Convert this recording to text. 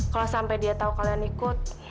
kalo sampe dia tau kalian ikut